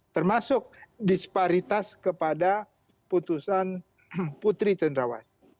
termasuk disparitas kepada putusan putri cendrawas